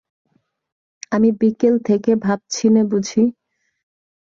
আমি বিকেল থেকে ভাবছিনে বুঝি?